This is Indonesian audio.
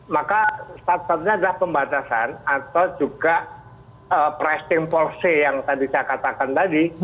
jadi saat saatnya ada pembatasan atau juga pricing policy yang tadi saya katakan tadi